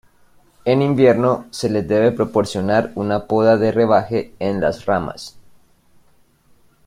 En invierno se les debe proporcionar una poda de rebaje en las ramas.